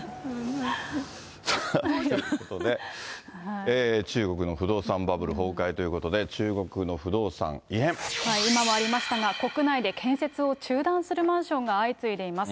ということで、中国の不動産バブル崩壊ということで、今もありましたが、国内で建設を中断するマンションが相次いでいます。